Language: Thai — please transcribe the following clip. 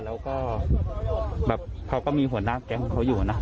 แล้วก็เขาก็มีหัวหน้าแขกงเขาอยู่นะ